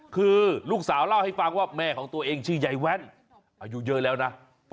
คือลูกสาวเล่าให้ฟังว่าแม่ของตัวเองชื่อยายแว่นอายุเยอะแล้วนะ